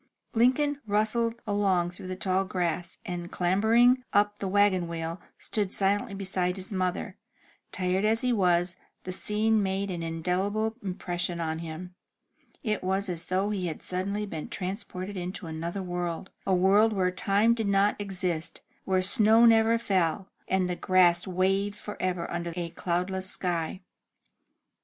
Lincoln rustled along through the tall grass, and, clambering up the wagon wheel, stood silently beside his mother. Tired as he was, the scene made an indelible impression on him. It was as though he had suddenly been transported into another world, a world where time did not exist, where snow never fell, and the grass waved forever under a cloudless sky.